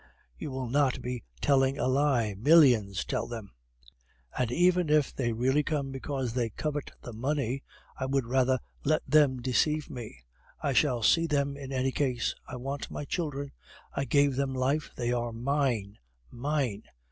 You will not be telling a lie. Millions, tell them; and even if they really come because they covet the money, I would rather let them deceive me; and I shall see them in any case. I want my children! I gave them life; they are mine, mine!"